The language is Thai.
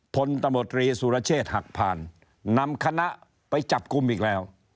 ตมตรีสุรเชษฐ์หักผ่านนำคณะไปจับกลุ่มอีกแล้ว